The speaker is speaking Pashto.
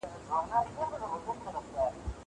زه بايد سفر وکړم!!